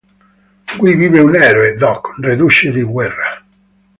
Qui vive un eroe, Doc, reduce di guerra.